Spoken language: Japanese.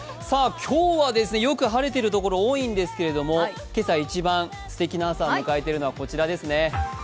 今日はよく晴れているところ多いんですけれども、今朝一番すてきな朝を迎えているのはこちらですね。